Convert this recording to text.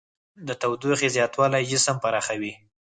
د تودوخې زیاتوالی جسم پراخوي.